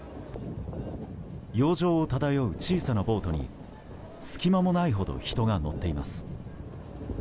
洋上を漂う小さなボートに隙間もないほど人が乗っています。